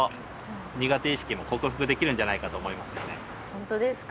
本当ですか？